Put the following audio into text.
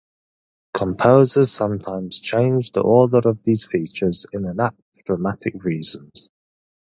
Composers sometimes changed the order of these features in an act for dramatic reasons.